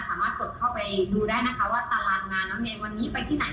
สามารถกดเข้าไปดูได้นะคะว่าตารางงานน้องเมย์วันนี้ไปที่ไหน